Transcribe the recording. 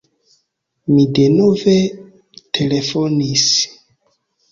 Mi denove telefonis.